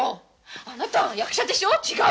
あなたは役者でしょ違う？